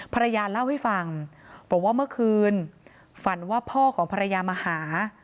ภรรยาเล่าให้ฟังบอกว่าเมื่อคืนฝันว่าพ่อของภรรยามาหา